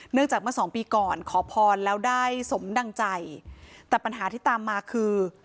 จากเมื่อสองปีก่อนขอพรแล้วได้สมดังใจแต่ปัญหาที่ตามมาคือ